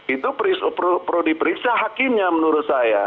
itu perlu diperiksa hakimnya menurut saya